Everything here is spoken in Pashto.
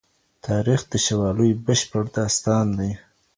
تاریخ د شوالیو بشپړ داستان دی.